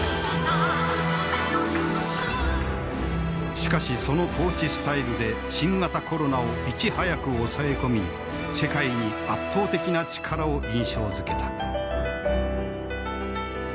しかしその統治スタイルで新型コロナをいち早く抑え込み世界に圧倒的な力を印象づけた。